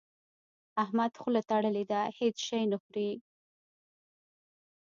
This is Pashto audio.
احمد خوله تړلې ده؛ هيڅ شی نه خوري.